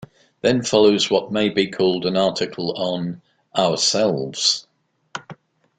Then follows what may be called an article on "Ourselves".